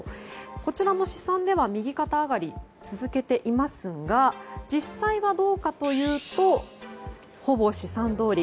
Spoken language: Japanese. こちらも試算では右肩上がりを続けていますが実際はどうかというとほぼ試算どおり。